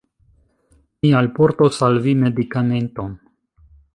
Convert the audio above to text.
Mi alportos al vi medikamenton